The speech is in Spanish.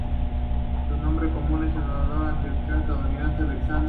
Su nombre común es en honor al ornitólogo estadounidense Alexander Wilson.